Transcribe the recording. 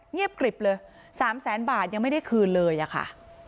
เงียบกริบเลย๓แสนบาทยังไม่ได้คืนเลยอะค่ะ